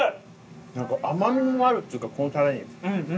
何か甘みもあるっていうかこのタレに。